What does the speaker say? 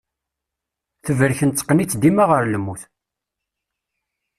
Tebrek netteqqen-itt dima ɣer lmut.